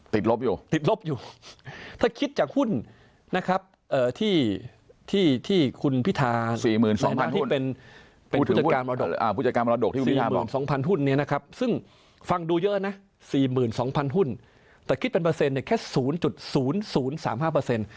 เป็นผู้จัดการร้อนดก๔๒๐๐๐หุ้นเนี่ยนะครับซึ่งฟังดูเยอะนะ๔๒๐๐๐หุ้นแต่คิดเป็นเปอร์เซ็นต์เนี่ยแค่๐๐๐๓๕